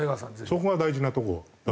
そこが大事なとこだと。